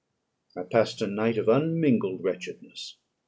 I passed a night of unmingled wretchedness.